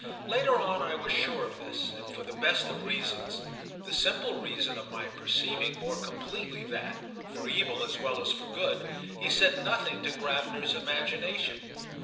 Later on I was sure of this, and for the best of reasons—the simple reason of my perceiving more completely that, for evil as well as for good, he said nothing to Gravener's imagination.